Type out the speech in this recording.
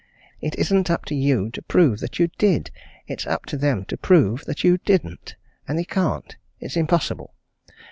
It isn't up to you to prove that you did! it's up to them to prove that you didn't! And they can't. It's impossible.